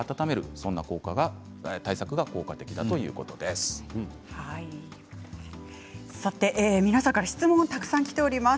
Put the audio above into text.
そんな対策が効果的だ皆さんから質問がたくさんきております。